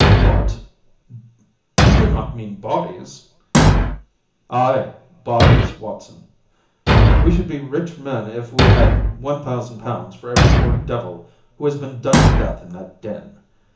"What! You do not mean bodies?" "Ay, bodies, Watson. We should be rich men if we had £ 1000 for every poor devil who has been done to death in that den.